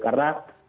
karena presiden itu